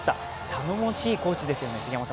頼もしいコーチですね。